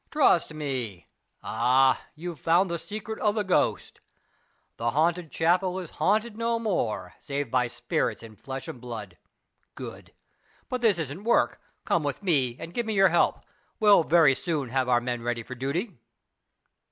"Trust me. Ah, you've found the secret of the ghosts. The haunted chapel is haunted no more, save by spirits in flesh and blood! Good! But this isn't work. Come with me and give me your help. We'll very soon have our men ready for duty."